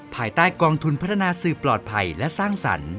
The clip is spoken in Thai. ภายใต้กองทุนพัฒนาสื่อปลอดภัยและสร้างสรรค์